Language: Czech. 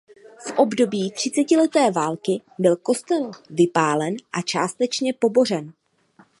V období třicetileté války byl kostel vypálen a částečně pobořen.